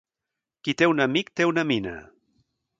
Qui té un amic té una mina.